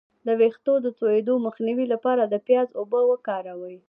د ویښتو د تویدو مخنیوي لپاره د پیاز اوبه وکاروئ